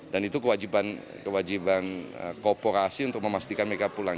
dan itu kewajiban kooperasi untuk memastikan mereka pulang